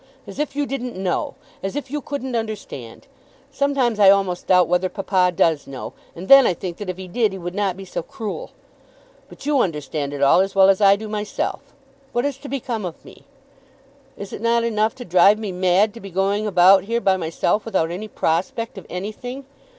As if you didn't know! As if you couldn't understand! Sometimes I almost doubt whether papa does know, and then I think that if he did he would not be so cruel. But you understand it all as well as I do myself. What is to become of me? Is it not enough to drive me mad to be going about here by myself, without any prospect of anything?